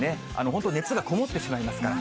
本当、熱がこもってしまいますから。